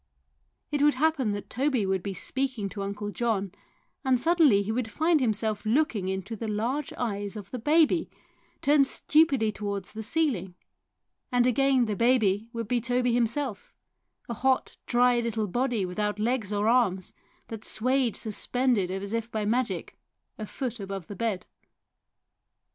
It would happen that Toby would be speaking to Uncle John, and suddenly he would find himself looking into the large eyes of the baby, turned stupidly towards the ceiling, and again the baby would be Toby himself, a hot, dry little body without legs or arms, that swayed suspended as if by magic a foot above the bed.